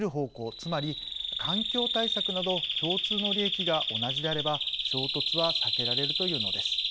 つまり環境対策など共通の利益が同じであれば衝突は避けられると言うのです。